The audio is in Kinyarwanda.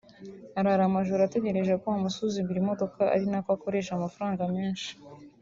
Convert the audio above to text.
arara amajoro ategereje ko bamusuzumira imodoka ari nako akoresha amafaranga menshi